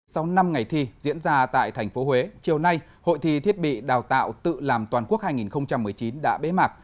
sau năm ngày thi diễn ra tại tp huế chiều nay hội thi thiết bị đào tạo tự làm toàn quốc hai nghìn một mươi chín đã bế mạc